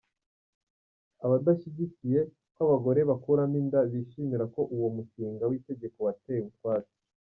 Abadashigikiye ko abagore bakuramo inda bishimira ko uwo mushinga w’ itegeko watewe utwatsi.